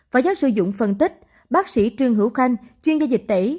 phó giáo sư dũng phân tích bác sĩ trương hữu khanh chuyên gia dịch tẩy